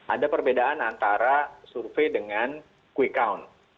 ada perbedaan antara survei dengan quick count